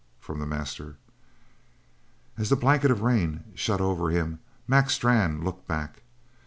from the master. As the blanket of rain shut over him, Mac Strann looked back.